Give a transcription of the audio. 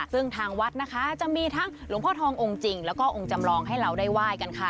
ซึ่งทางวัดนะคะจะมีทั้งหลวงพ่อทององค์จริงแล้วก็องค์จำลองให้เราได้ไหว้กันค่ะ